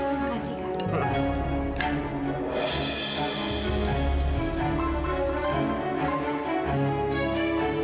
terima kasih kak